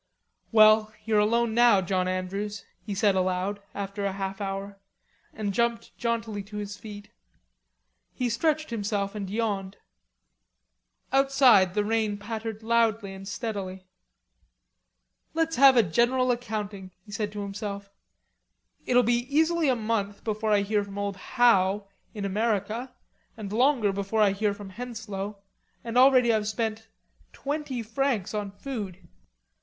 "Well, you're alone now, John Andrews," he said aloud, after a half hour, and jumped jauntily to his feet. He stretched himself and yawned. Outside the rain pattered loudly and steadily. "Let's have a general accounting," he said to himself. "It'll be easily a month before I hear from old Howe in America, and longer before I hear from Henslowe, and already I've spent twenty francs on food.